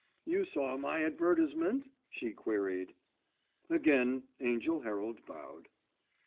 "You saw my advertisement?" she queried. Again Angell Herald bowed.